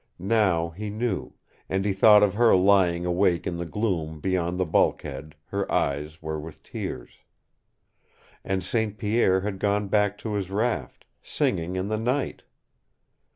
Now he knew, and he thought of her lying awake in the gloom beyond the bulkhead, her eyes were with tears. And St. Pierre had gone back to his raft, singing in the night!